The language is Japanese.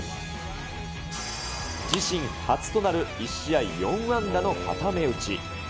自身初となる１試合４安打の固め打ち。